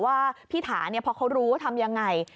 ว่าพี่ถาเนี่ยพอเขารู้ว่าทำยังไง